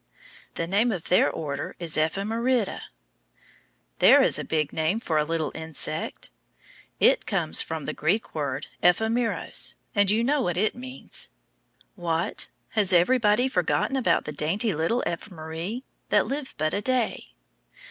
The name of their order is EPH E MER I DA. There is a big name for a little insect! It comes from the Greek word ephemeros, and you know what it means. What? Has everybody forgotten about the dainty little ephemeræ, that live but a day?